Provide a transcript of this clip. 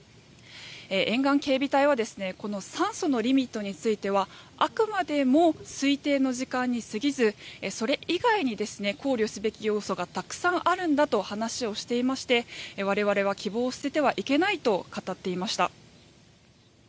沿岸警備隊はこの酸素のリミットについてはあくまでも推定の時間にすぎずそれ以外に考慮すべき要素がたくさんあるんだと話をしていまして我々は希望を捨ててはいけないと語っていました。